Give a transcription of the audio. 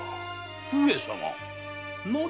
上様何か？